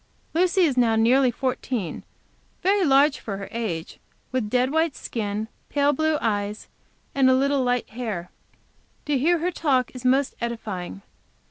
Lucy is now nearly fourteen; very large of her age, with a dead white skin, pale blue eyes, and a little light hair. To hear her talk is most edifying.